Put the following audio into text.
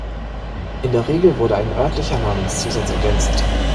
In der Regel wurde ein örtlicher Namenszusatz ergänzt.